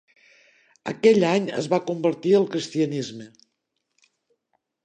Aquell any es va convertir al cristianisme.